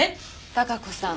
貴子さん